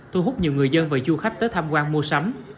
thu hút nhiều người dân và du khách tới tham quan mua sắm